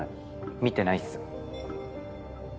見てないっす。